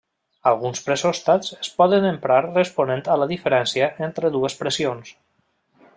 Alguns pressòstats es poden emprar responent a la diferència entre dues pressions.